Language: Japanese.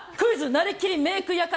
なりきりメイク館